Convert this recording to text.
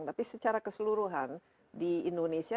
tapi secara keseluruhan di indonesia